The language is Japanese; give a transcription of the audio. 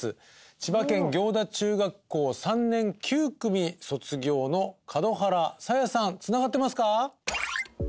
千葉県行田中学校３年９組卒業の門原紗耶さんつながってますか？